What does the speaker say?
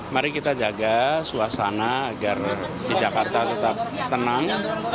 mari kita jaga suasana agar di jakarta tetap tenang